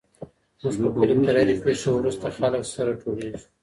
زموږ په کلي کي تر هرې پېښي وروسته خلک سره ټولېږي.